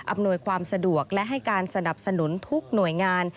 อำนวยความสะดวกและให้การสนับสนุนทุกหน่วยงาน